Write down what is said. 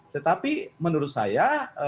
tetapi menurut saya